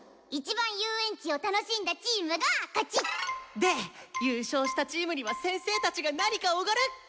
一番遊園地を楽しんだチームが勝ち！で優勝したチームには先生たちが何かおごる！